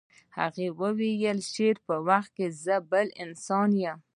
هغه وویل د شعر پر وخت زه بل انسان یم